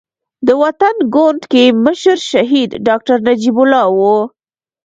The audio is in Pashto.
د وطن ګوند کې مشر شهيد ډاکټر نجيب الله وو.